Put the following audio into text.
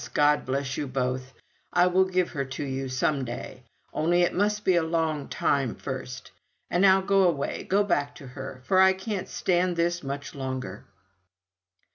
God bless you both! I will give her to you, some day only it must be a long time first. And now go away go back to her for I can't stand this much longer."